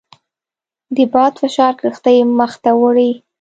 د باد فشار کښتۍ مخ ته وړي.